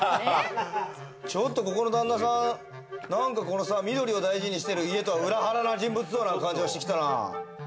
ちょっとここの旦那さん、なんか緑を大事にしてる家とは裏腹な人物像な感じがしてきたな。